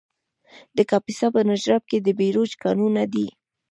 د کاپیسا په نجراب کې د بیروج کانونه دي.